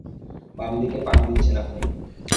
বাম দিকে পাক দিচ্ছেন আপনি।